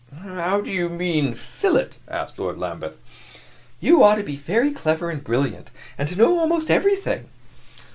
"How do you mean to fill it?" asked Lord Lambeth. "You ought to be very clever and brilliant, and to know almost everything."